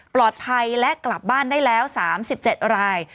ปลอดภัยและกลับบ้านได้แล้ว๓๗ราย